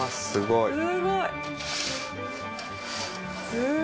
すごい。